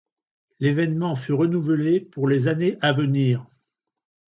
L’événement fut renouvelé pour les années à venir.